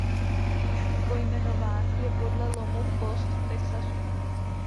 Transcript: Pojmenován je podle lomu Post v Texasu.